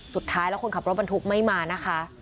สุดท้ายแล้วคนขับรถบรรทุกไม่มานะคะ